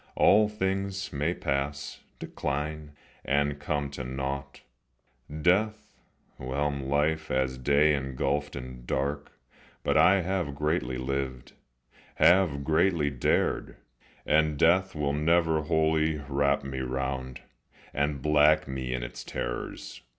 All things may pass, decline, and come to naught, Death 'whelm life as day engulfed in dark, But I have greatly lived, have greatly dared, And death will never wholly wrap me round And black me in its terrors.